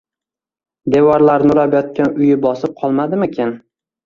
Devorlari nurab yotgan uyi bosib qolmadimikin?